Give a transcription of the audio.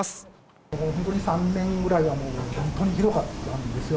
ここ２、３年ぐらいはもう本当にひどかったんですよ。